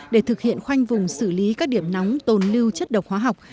để thực hiện khoanh vùng xử lý các điểm nóng tồn lưu chất độc hóa học